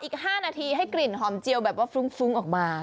อีก๕นาทีให้กลิ่นหอมเจียวแบบว่าฟรุ้งออกมา